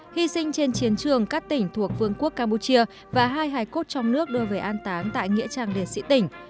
hy sinh trên chiến trường các tỉnh thuộc vương quốc campuchia và hai hài cốt trong nước đưa về an táng tại nghĩa trang liệt sĩ tỉnh